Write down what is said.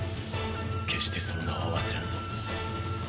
決してその名は忘れぬぞ。